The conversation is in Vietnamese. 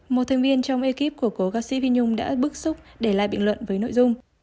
một thành viên trong ekip của cổ ca sĩ phi nhung đã bức xúc để lại bình luận với nội dung